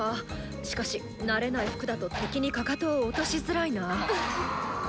しかし慣れない服だと敵にかかとを落としづらいな。